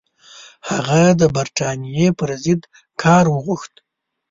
هغه د برټانیې پر ضد کار وغوښت.